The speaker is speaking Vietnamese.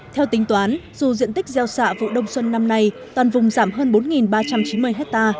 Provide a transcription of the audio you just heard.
theo tính toán dù diện tích gieo xạ vụ đông xuân năm nay toàn vùng giảm hơn bốn ba trăm chín mươi ha